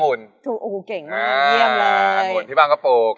อู๋เก่งมากเยี่ยมเลยอังหุ่นที่บ้านก็ปลูก